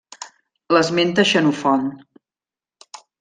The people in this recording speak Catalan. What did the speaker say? L'esmenta Xenofont.